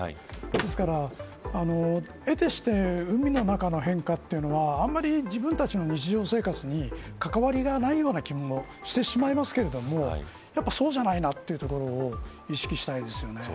ですから、得てして海の中の変化というのはあまり自分たちの日常生活に関わりがないような気もしてしまいますけれどもやっぱり、そうじゃないなというところを意識したいですよね。